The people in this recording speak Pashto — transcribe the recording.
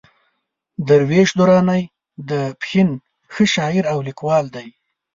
درویش درانی د پښين ښه شاعر او ليکوال دئ.